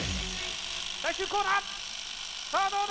最終コーナー！